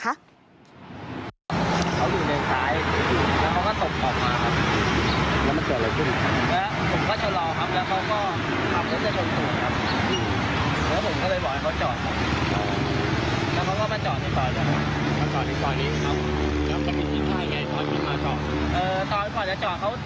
เขาพวกมรถตู้ต้องแตกบริโภคแล้วนะครับ